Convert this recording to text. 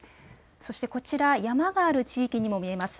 そして、こちら山がある地域にも見えます。